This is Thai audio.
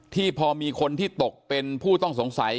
ที่พอมีคนที่ตกเป็นผู้ต้องสงสัย